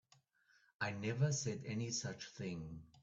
I never said any such thing.